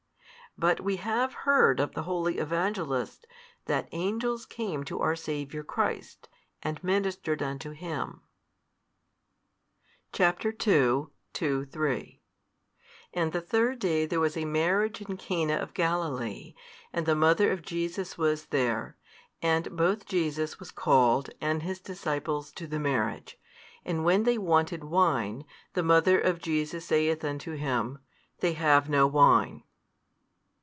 But we have heard of the Holy Evangelists, that angels came to our Saviour Christ, and ministered unto Him. |155 Chap. ii.2,3 And the third day there was a marriage in Cana of Galilee; and the mother of Jesus was there; and both Jesus was called, and His disciples, to the marriage. And when they wanted wine, the mother of Jesus saith unto Him, They have no wine.